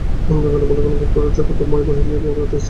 অন্ধকারে বালক অনুভব করিল যজ্ঞনাথ মই বাহিয়া উপরে উঠিতেছে।